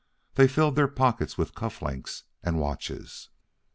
They filled their pockets with cuff links and watches.